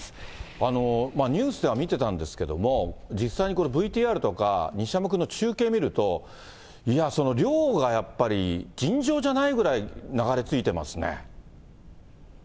ニュースでは見てたんですけれども、実際にこれ、ＶＴＲとか西山君の中継見ると、いや、その、量がやっぱり尋常じゃないぐらい流れ着いてますね。